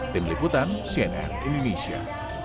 tim liputan cnn indonesia